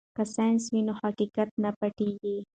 که ساینس وي نو حقیقت نه پټیږي.